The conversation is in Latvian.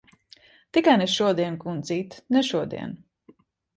Tikai ne šodien, kundzīt. Ne šodien!